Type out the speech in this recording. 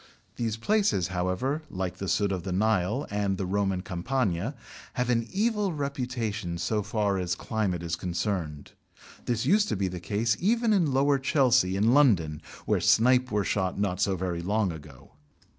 These places, however, like the sudd of the Nile, and the Roman "Campagna," have an evil reputation so far as climate is concerned. This used to be the case even in lower Chelsea, in London (where snipe were shot not so very long ago).